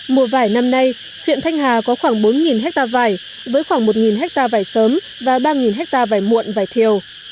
mùa vải năm nay huyện thanh hà có khoảng bốn ha vải với khoảng một ha vải sớm và ba ha vải muộn vải thiều